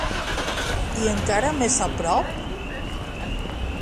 I encara més a prop?